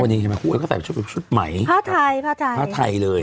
วันนี้ไงครับครูอ้วนเขาใส่ชุดชุดใหม่พระไทยพระไทยพระไทยเลย